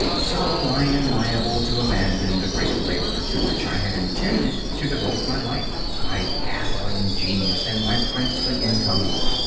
So I am liable to abandon the great labor to which I had intended to devote my life, my dazzling genius and my princely income.